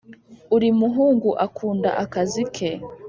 uri muhungu akunda akazi ke